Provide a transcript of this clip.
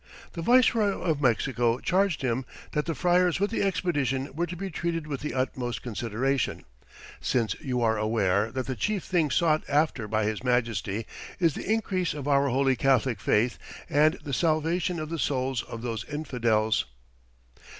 The viceroy of Mexico charged him that the friars with the expedition were to be treated with the utmost consideration, "since you are aware that the chief thing sought after by His Majesty is the increase of our holy Catholic faith and the salvation of the souls of those infidels."